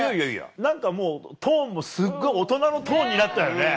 何かもうトーンもすっごい大人のトーンになったよね。